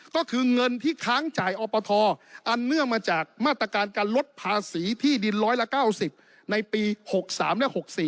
ก็คือเงินที่ค้างจ่ายอปทอันเนื่องมาจากมาตรการการลดภาษีที่ดินร้อยละ๙๐ในปี๖๓และ๖๔